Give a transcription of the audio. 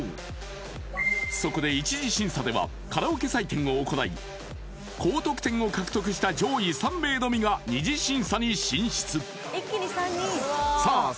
そこで１次審査ではカラオケ採点を行い高得点を獲得した上位３名のみが２次審査に進出さあ